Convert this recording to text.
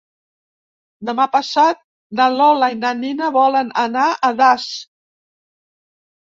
Demà passat na Lola i na Nina volen anar a Das.